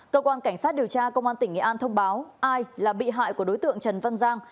cơ quan cảnh sát điều tra công an tỉnh nghệ an thông báo ai là bị hại của đối tượng trần văn giang